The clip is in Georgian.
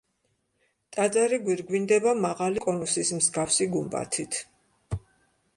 ტაძარი გვირგვინდება მაღალი კონუსის მსგავსი გუმბათით.